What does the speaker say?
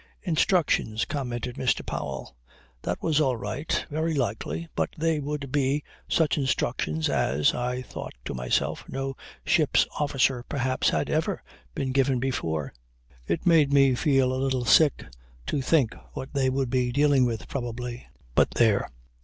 "Instructions," commented Mr. Powell. "That was all right. Very likely; but they would be such instructions as, I thought to myself, no ship's officer perhaps had ever been given before. It made me feel a little sick to think what they would be dealing with, probably. But there!